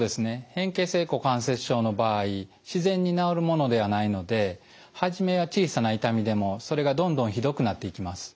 変形性股関節症の場合自然に治るものではないので初めは小さな痛みでもそれがどんどんひどくなっていきます。